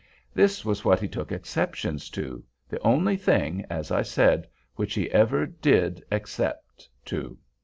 This was what he took exceptions to—the only thing, as I said, which he ever did except to.